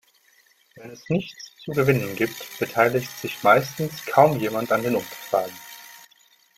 Wenn es nichts zu gewinnen gibt, beteiligt sich meistens kaum jemand an den Umfragen.